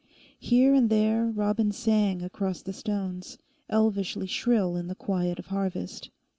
Here and there robins sang across the stones, elvishly shrill in the quiet of harvest.